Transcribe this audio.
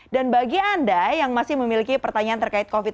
dan bagi anda yang masih memiliki pertanyaan terkait covid sembilan belas